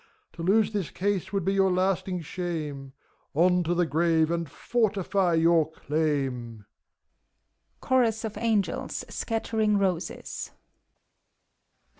To lose this case would be your lasting shame ; On to the grave, and fortify your claim